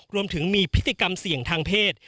รวมถึงมีพฤติกรรมเสี่ยงทางเพศ